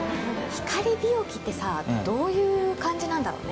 光美容器ってさどういう感じなんだろうね？